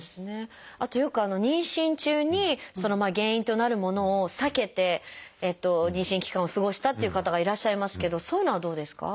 あとよく妊娠中に原因となるものを避けて妊娠期間を過ごしたっていう方がいらっしゃいますけどそういうのはどうですか？